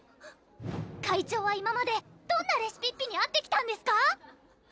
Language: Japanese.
会長は今までどんなレシピッピに会ってきたんですか？